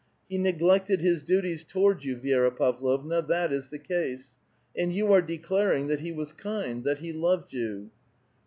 He neglected his duties toward you, Vi^ra Pavlovna ; that is the case ; and you are declaring that he wns kind, that he loved you."